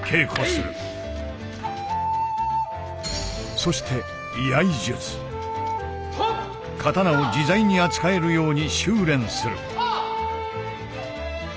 そして刀を自在に扱えるように修練する。